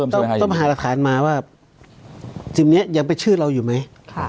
ต้องไปหารรับฐานพิเศษเพิ่มให้อีกหนึ่งยังไปชื่อเราอยู่ไหม